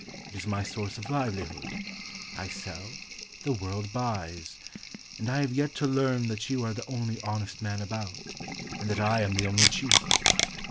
It is my source of livelihood. I sell: the world buys. And I have yet to learn that you are the only honest man about, and that I am the only cheat.